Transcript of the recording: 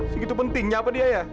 segitu pentingnya apa dia ya